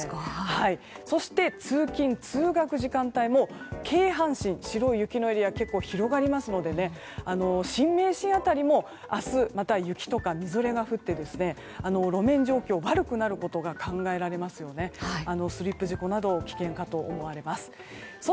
そして、通勤・通学時間帯も京阪神白い雪のエリアが結構、広がりますので新名神辺りも明日、また雪とかみぞれが降って路面状況が悪くなることが考えられますのでスリップ事故など危険かと思われます。